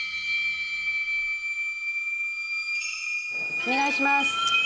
お願いします。